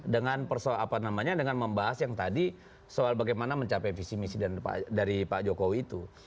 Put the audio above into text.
dengan persoalan apa namanya dengan membahas yang tadi soal bagaimana mencapai visi misi dari pak jokowi itu